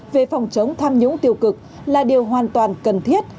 về phòng chống tham nhũng tiêu cực là điều hoàn toàn cần thiết